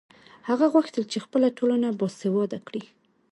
هغه غوښتل چې خپله ټولنه باسواده کړي.